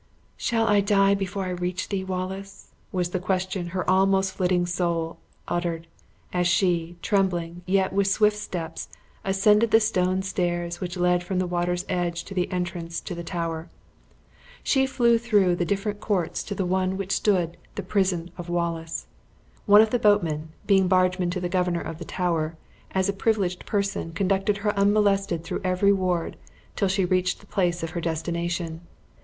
"Shall I die before I reach thee, Wallace?" was the question her almost flitting soul uttered, as she, trembling, yet with swift steps, ascended the stone stairs which led from the water's edge to the entrance to the Tower. She flew through the different courts to the one in which stood the prison of Wallace. One of the boatmen, being bargeman to the Governor of the Tower, as a privileged person, conducted her unmolested through every ward till she reached the place of her destination.